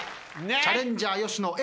チャレンジャー吉野Ａ。